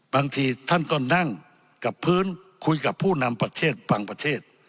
บางทีท่านก็นั่งกับพื้นคุยกับผู้นำประเทศบางประเทศ